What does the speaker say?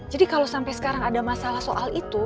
jadi kalau sampai sekarang ada masalah soal itu